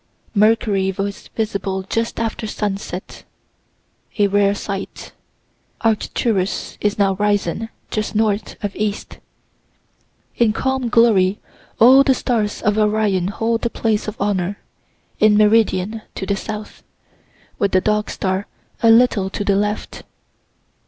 Mercury was visible just after sunset a rare sight. Arcturus is now risen, just north of east. In calm glory all the stars of Orion hold the place of honor, in meridian, to the south, with the Dog star a little to the left.